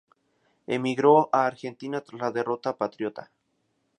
Emigró a Argentina tras la derrota patriota.